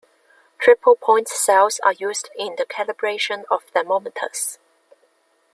Triple point cells are used in the calibration of thermometers.